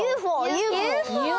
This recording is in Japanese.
ＵＦＯ！